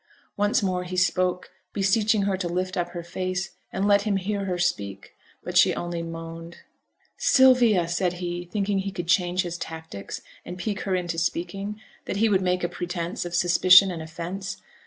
Once more he spoke, beseeching her to lift up her face, to let him hear her speak. But she only moaned. 'Sylvia!' said he, thinking he could change his tactics, and pique her into speaking, that he would make a pretence of suspicion and offence.